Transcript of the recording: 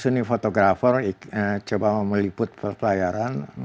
saya mengusuni fotografer coba meliput pelayaran